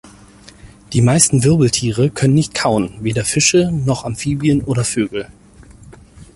Die meisten Wirbeltiere können nicht kauen, weder Fische noch Amphibien oder Vögel.